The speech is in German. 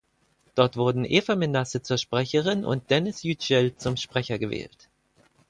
Dort wurden Eva Menasse zur Sprecherin und Deniz Yücel zum Sprecher gewählt.